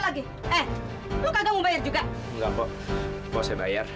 lagi eh lo kagak mau bayar juga enggak kok mau saya bayar